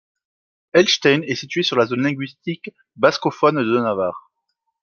Etsain est situé dans la zone linguistique bascophone de Navarre.